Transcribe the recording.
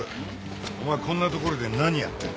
お前こんなところで何やってんだ？